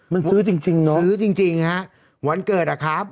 มันซื้อจริงเนอะซื้อจริงฮะวันเกิดอะครับ